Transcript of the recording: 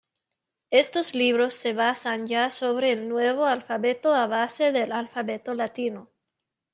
Estos libros se basan ya sobre el nuevo alfabeto a base del alfabeto latino.